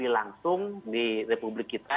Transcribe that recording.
langsung di republik kita